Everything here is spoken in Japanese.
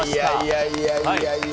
いやいやいやいや。